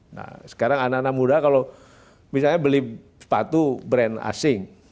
nah sekarang anak anak muda kalau misalnya beli sepatu brand asing